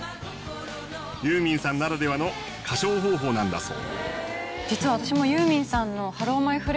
ユーミンさんならではの歌唱方法なんだそう。